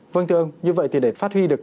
vâng thưa ông như vậy thì để phát huy được